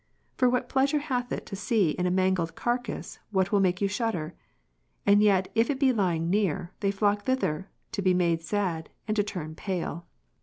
For what pleasure hath it, to see in a mangled carcase what will make you shudder ? and yet if it be lying near, they flock thither, to be made sad, and to turn pale.